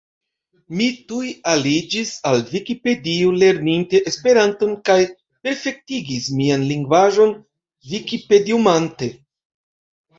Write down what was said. Mi tuj aliĝis al Vikipedio lerninte Esperanton kaj perfektigis mian lingvaĵon vikipediumante.